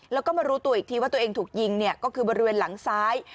แล้วก็มารู้ตัวอีกทีว่าตัวเองถูกยิงเนี่ยก็คือบริเวณหลังซ้าย